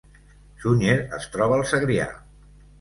Sunyer es troba al Segrià